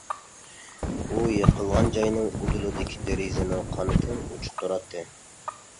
ئۇ يىقىلغان جاينىڭ ئۇدۇلىدىكى دېرىزىنىڭ قانىتى ئوچۇق تۇراتتى.